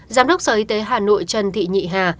giám đốc sở y tế hà nội trần thị nhị hà